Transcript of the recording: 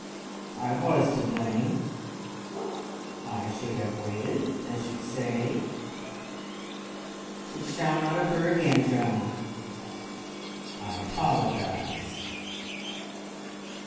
I was to blame. I should have waited, as you say. It shall not occur again, Joan. I apologise."